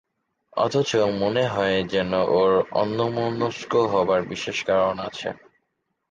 অথচ মনে হয়, যেন ওঁর অন্যমনস্ক হবার বিশেষ কারণ আছে।